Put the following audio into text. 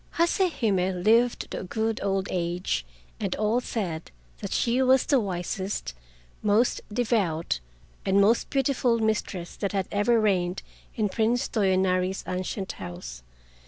Hase Hime lived to a good old age, and all said that she was the wisest, most devout, and most beautiful mistress that had ever reigned in Prince Toyonari's ancient house.